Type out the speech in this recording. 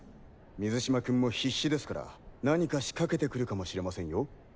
水嶋君も必死ですから何か仕掛けてくるかもしれませんよ。